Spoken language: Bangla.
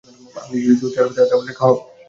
আপনি দুধ ছাড়া চা যদি খেতে পারেন, তাহলে খাওয়াব।